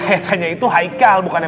ini mau lo kelihatan